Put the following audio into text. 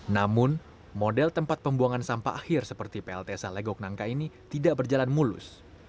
namun model tempat pembuangan sampah akhir seperti pltsa legok nangka ini tidak berjalan mulus